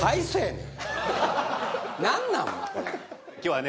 今日はね